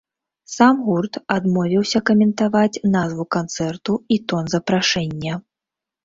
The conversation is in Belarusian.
Сам гурт адмовіўся каментаваць назву канцэрту і тон запрашэння.